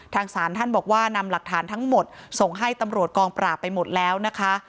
ทางศาลท่านบอกว่านำหลักฐานทั้งหมดส่งให้ตำรวจกองปราบไปหมดแล้วนะคะ